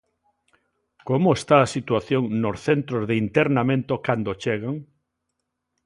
Como está a situación nos centros de internamento cando chegan?